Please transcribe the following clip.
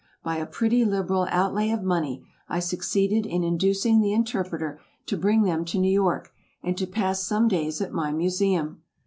By a pretty liberal outlay of money, I succeeded in inducing the interpreter to bring them to New York, and to pass some days at my Museum.